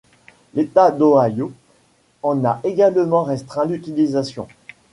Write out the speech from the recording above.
L'état d'Ohio en a également restreint l'utilisation.